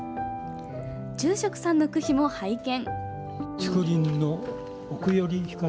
住職さんの句碑も拝見。